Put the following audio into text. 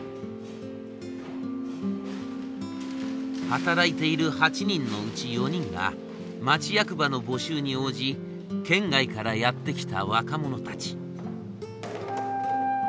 働いている８人のうち４人が町役場の募集に応じ県外からやって来た若者たち。